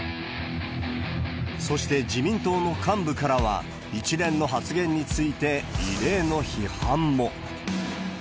そして、自民党の幹部からは一連の発言について異例の批判も。